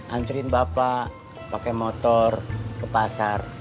antri bapak pakai motor ke pasar